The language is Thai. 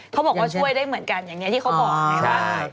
เขาบอกว่าช่วยได้เหมือนกันที่เขาบอก